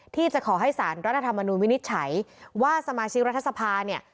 ที่จะขอให้สารรัฐธรรมนุนวินิจฉัยว่าสมาชิกรัฐสภาเนี่ย